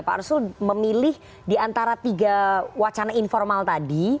pak arsul memilih diantara tiga wacana informal tadi